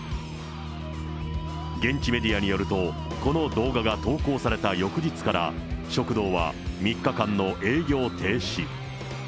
現地メディアによると、この動画が投稿された翌日から、食堂は３日間の営業停止。